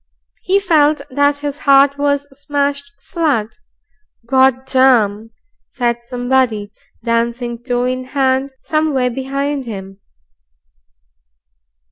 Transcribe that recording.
He felt that his heart was smashed flat. "Gord darm!" said somebody, dancing toe in hand somewhere behind him.